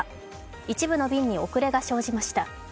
一部の便に遅れが生じました。